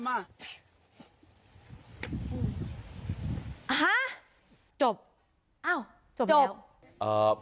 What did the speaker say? ฮะจบจบแล้ว